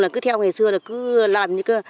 là cứ theo ngày xưa là cứ làm